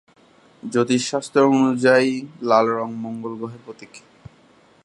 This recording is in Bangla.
জ্যোতিষ শাস্ত্র অনুযায়ী লাল রঙ মঙ্গল গ্রহের প্রতীক।